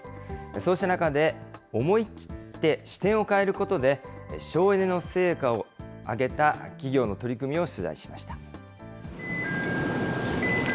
そうした中で、思い切って視点を変えることで、省エネの成果を上げた企業の取り組みを取材しました。